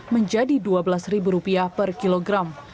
menjadi rp dua belas per kilogram